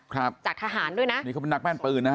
ครับจากทหารด้วยนะนี่เขาเป็นนักแม่นปืนนะฮะ